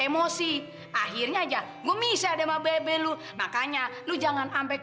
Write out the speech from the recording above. mami jangan marah marah gitu dong